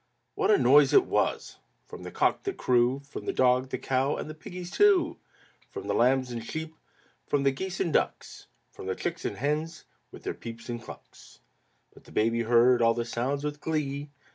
What a noise it was! from the cock that crew, From the dog, the cow, and the piggies, too, From the lambs and sheep, from the geese and ducks, From the chicks and hens with their peeps and clucks! But the baby heard all the sounds with glee.